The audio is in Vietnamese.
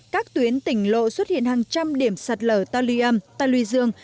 các tuyến tỉnh lộ xuất hiện hàng trăm điểm sạt lở tà lư dương